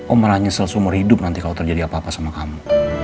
oh marah nyesel seumur hidup nanti kalau terjadi apa apa sama kamu